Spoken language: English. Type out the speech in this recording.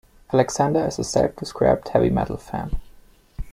Alexander is a self described heavy metal fan.